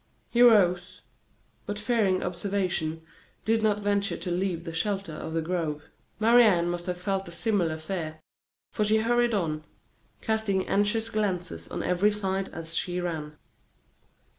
He rose, but fearing observation, did not venture to leave the shelter of the grove. Marie Anne must have felt a similar fear, for she hurried on, casting anxious glances on every side as she ran.